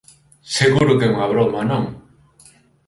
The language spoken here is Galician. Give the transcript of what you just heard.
Seguro que é unha broma, non.